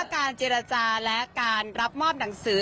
การเจรจาและการรับมอบหนังสือ